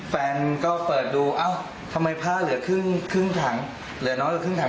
แฟนก็เปิดดูเอ้าทำไมผ้าเหลือครึ่งถังเหลือน้อยกว่าครึ่งถัง